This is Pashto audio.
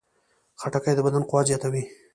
خټکی د بدن قوت زیاتوي.